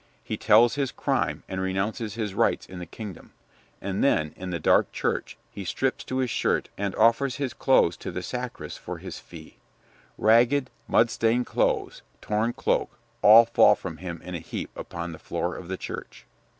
He tells his crime, and renounces his rights in the kingdom; and then, in that dark church, he strips to his shirt and offers his clothes to the sacrist for his fee. Ragged, mud stained clothes, torn cloak, all fall from him in a heap upon the floor of the church.